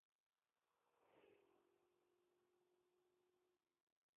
زده کوونکي به په غلطیو وهل کېدل.